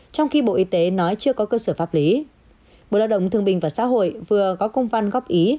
trong khi bộ y tế nói chưa có cơ sở pháp lý bộ lao động thương bình và xã hội vừa có công văn góp ý